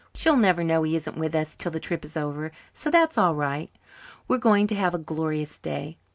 She'll never know he isn't with us till the trip is over, so that is all right. We're going to have a glorious day.